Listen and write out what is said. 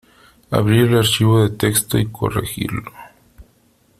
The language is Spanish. Abrir el archivo de texto y corregirlo.